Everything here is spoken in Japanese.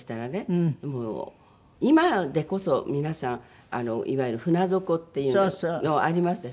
今でこそ皆さんいわゆる船底っていうのありますでしょ？